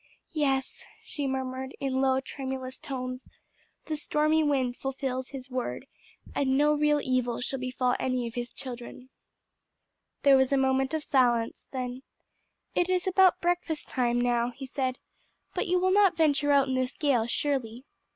"Yes," she murmured, in low tremulous tones, "the stormy wind fulfils His word: and no real evil shall befall any of His children." There was a moment of silence; then, "It is about breakfast time now," he said, "but you will not venture out in this gale, surely?